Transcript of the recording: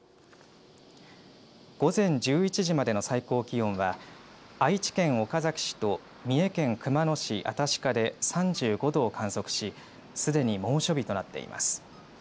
午前１１時までの最高気温は愛知県岡崎市と三重県熊野市新鹿で３５度を観測しすでに猛暑日となっています。